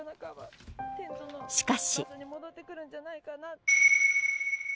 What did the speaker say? しかし。